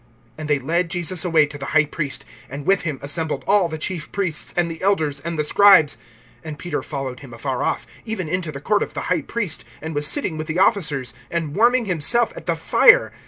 (53)And they led Jesus away to the high priest; and with him assembled all the chief priests and the elders and the scribes. (54)And Peter followed him afar off, even into the court of the high priest, and was sitting with the officers, and warming himself at the fire.